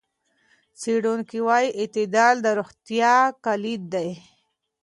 څېړونکي وايي اعتدال د روغتیا کلید دی.